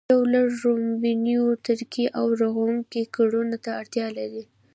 یو لړ ړومبنیو ترکیبي او رغوونکو کړنو ته اړتیا لري